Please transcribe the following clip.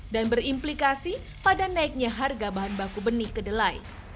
dan berimplikasi pada naiknya harga bahan baku benih kedelai